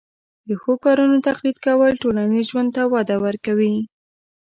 د ښو کارونو تقلید کول ټولنیز ژوند ته وده ورکوي.